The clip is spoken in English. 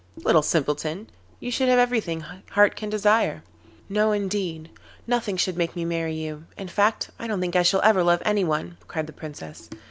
'Little simpleton, you should have everything heart can desire.' 'No, indeed; nothing should make me marry you; in fact, I don't think I shall ever love anyone,' cried the Princess.